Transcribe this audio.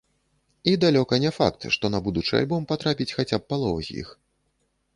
І далёка не факт, што на будучы альбом патрапіць хаця б палова з іх.